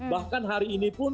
bahkan hari ini berubah